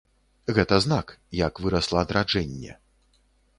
Гэта знак, як вырасла адраджэнне.